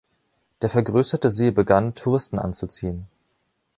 Der vergrößerte See begann, Touristen anzuziehen.